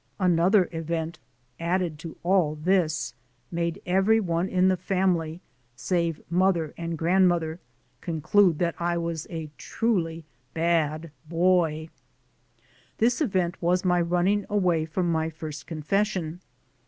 Anpther event, added to all this, made every one 44 THE SOUL OF AN IMMIGRANT in the family, save mother and grandmother, con clude that I was a truly bad boy. This event was my running away from my first confession.